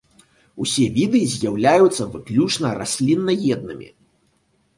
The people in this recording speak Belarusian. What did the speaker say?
Усе віды з'яўляюцца выключна расліннаеднымі.